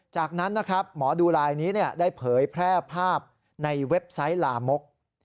จากนั้นนะครับหมอดูลายนี้ได้เผยแพร่ภาพในเว็บไซต์ลามก